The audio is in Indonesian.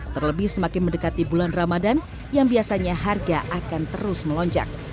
terlebih semakin mendekati bulan ramadan yang biasanya harga akan terus melonjak